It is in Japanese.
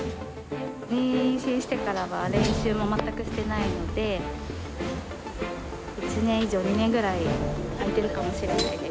妊娠してからは練習も全くしていないので、１年以上、２年ぐらいは空いてるかもしれないです。